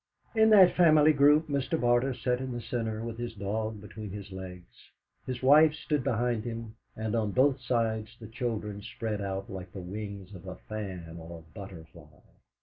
In that family group Mr. Barter sat in the centre with his dog between his legs; his wife stood behind him, and on both sides the children spread out like the wings of a fan or butterfly.